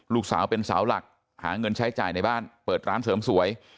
ลูกสาวเป็นสาวหลักหาเงินใช้จ่ายในบ้านเปิดร้านเสริมสวย